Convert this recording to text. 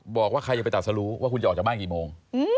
บอกว่าใครจะไปตัดสรู้ว่าคุณจะออกจากบ้านกี่โมง